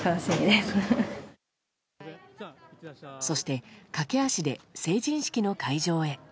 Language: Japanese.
そして、駆け足で成人式の会場へ。